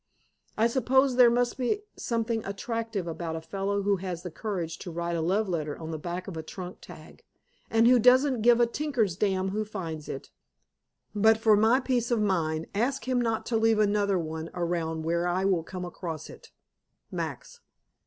I suppose there must be something attractive about a fellow who has the courage to write a love letter on the back of a trunk tag, and who doesn't give a tinker's damn who finds it. But for my peace of mind, ask him not to leave another one around where I will come across it. Max.